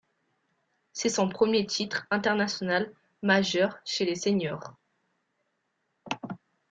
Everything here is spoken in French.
C'est son premier titre international majeur chez les séniors.